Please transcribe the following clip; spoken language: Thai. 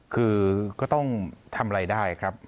คือก็ต้องทำรายได้ครับ